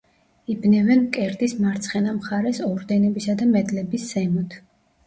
იბნევენ მკერდის მარცხენა მხარეს ორდენებისა და მედლების ზემოთ.